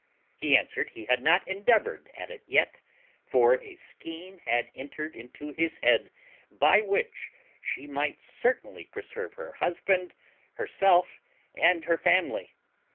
He answered he had not endeavoured at it yet, for a scheme had entered into his head by which she might certainly preserve her husband, herself, and her family.